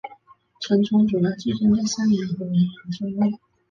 成虫主要寄生在山羊和绵羊的真胃。